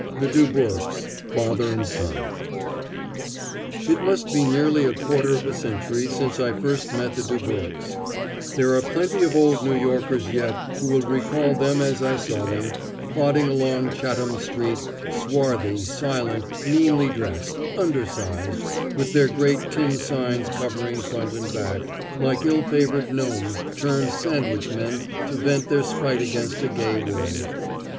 THE DUBOURQUES, FATHER AND SON It must be nearly a quarter of a century since I first met the Dubourques. There are plenty of old New Yorkers yet who will recall them as I saw them, plodding along Chatham street, swarthy, silent, meanly dressed, undersized, with their great tin signs covering front and back, like ill favored gnomes turned sandwich men to vent their spite against a gay world.